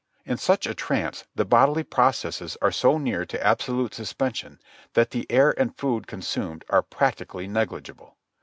In such a trance the bodily processes are so near to absolute suspension that the air and food consumed are practically negligible.